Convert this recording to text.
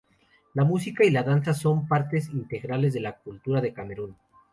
La música y la danza son partes integrales de la cultura de Camerún.